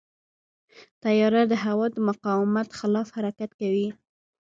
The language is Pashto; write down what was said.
طیاره د هوا د مقاومت خلاف حرکت کوي.